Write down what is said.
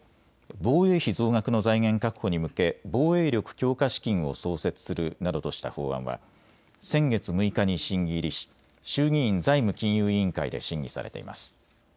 防衛費増額の財源確保に向け防衛力強化資金を創設するなどとした法案は先月６日に審議入りし衆議院財務金融委員会で審議されています。